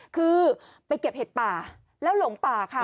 คือไปเก็บเห็ดป่าแล้วหลงป่าค่ะ